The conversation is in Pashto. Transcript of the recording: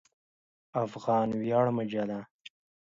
افغان ویاړ مجله